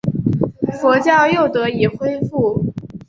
佛教又得以恢复。